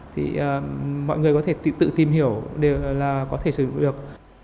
thì mọi người có thể tự tìm hiểu là có thể sử dụng được